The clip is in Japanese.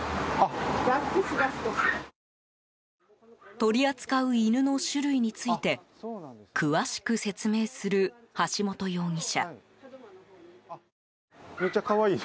取り扱う犬の種類について詳しく説明する橋本容疑者。